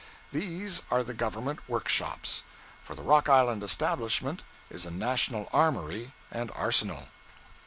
These are the Government workshops; for the Rock Island establishment is a national armory and arsenal.